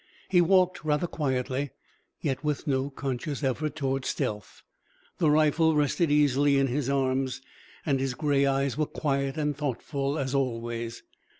He walked rather quietly, yet with no conscious effort toward stealth. The rifle rested easily in his arms, his gray eyes were quiet and thoughtful as always.